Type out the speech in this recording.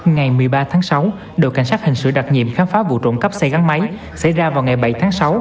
ngày một mươi ba tháng sáu đội cảnh sát hình sự đặc nhiệm khám phá vụ trộm cắp xe gắn máy xảy ra vào ngày bảy tháng sáu